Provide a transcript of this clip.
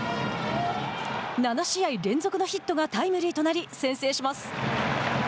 ７試合連続のヒットがタイムリーとなり先制します。